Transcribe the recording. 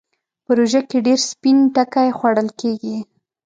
په روژه کې ډېر سپين ټکی خوړل کېږي.